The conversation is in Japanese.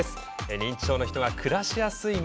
認知症の人が暮らしやすい町